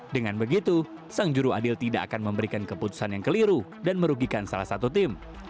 dengan begitu sang juru adil tidak akan memberikan keputusan yang keliru dan merugikan salah satu tim